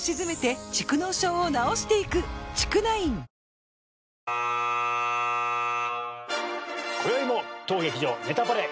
「ロリエ」こよいも当劇場『ネタパレ』